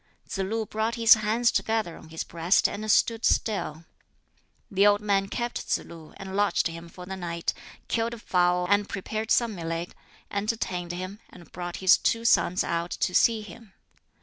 Tsz lu brought his hands together on his breast and stood still. The old man kept Tsz lu and lodged him for the night, killed a fowl and prepared some millet, entertained him, and brought his two sons out to see him.